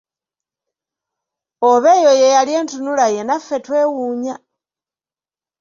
Oba eyo ye yali entunula ye naffe twewuunya!